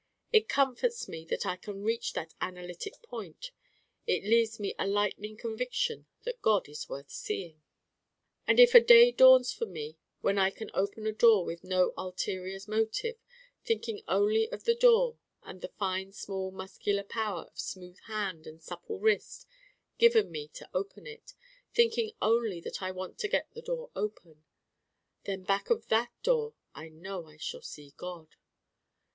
It comforts me that I can reach that analytic point. It leaves me a lightning conviction that God is worth seeing. And if a day dawns for me when I can open a door with no ulterior motive: thinking only of the door and the fine small muscular power of smooth hand and supple wrist given me to open it: thinking only that I want to get the door open: then back of that door I know I shall see God!